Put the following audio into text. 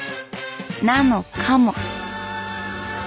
［なのかも］